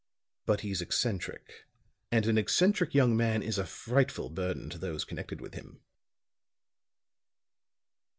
But he's eccentric; and an eccentric young man is a frightful burden to those connected with him."